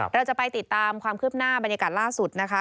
เราจะไปติดตามความคืบหน้าบรรยากาศล่าสุดนะคะ